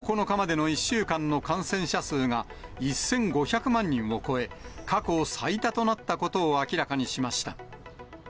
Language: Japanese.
ＷＨＯ・世界保健機関は１２日、９日までの１週間の感染者数が１５００万人を超え、過去最多となったことを明らかにしました。